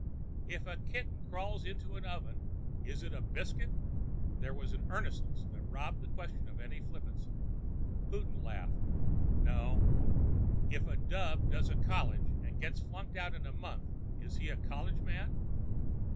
"If a kitten crawls into an oven, is it a biscuit?" There was an earnestness that robbed the question of any flippancy. Houghton laughed. "No!" "If a dub goes into college and gets flunked out in a month, is he a college man?"